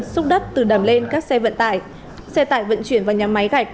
xúc đất từ đầm lên các xe vận tải xe tải vận chuyển vào nhà máy gạch